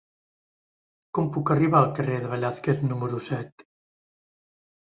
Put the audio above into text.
Com puc arribar al carrer de Velázquez número set?